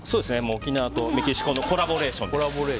沖縄とメキシコのコラボレーションです。